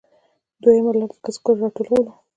دویمه لار د کسبګرو راټولول وو